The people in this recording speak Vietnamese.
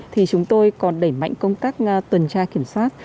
thì chúng tôi còn đẩy mạnh công tác tuần tra kiểm soát